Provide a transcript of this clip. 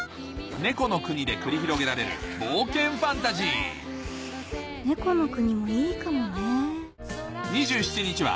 ⁉猫の国で繰り広げられる冒険ファンタジー猫の国もいいかもね。